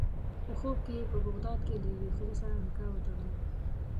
په خوب کې یې په بغداد کې له یوې ښځې سره نکاح وتړله.